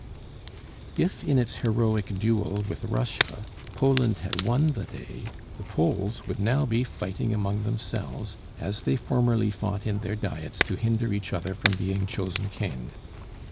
If, in its heroic duel with Russia, Poland had won the day, the Poles would now be fighting among themselves, as they formerly fought in their Diets to hinder each other from being chosen King.